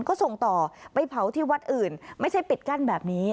ก็ส่งต่อไปเผาที่วัดอื่นไม่ใช่ปิดกั้นแบบนี้